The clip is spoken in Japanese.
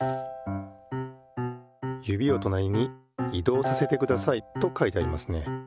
「指をとなりに移動させてください」と書いてありますね。